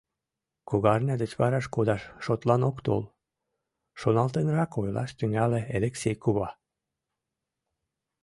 — Кугарня деч вараш кодаш шотлан ок тол, — шоналтенрак ойлаш тӱҥале Элексей кува.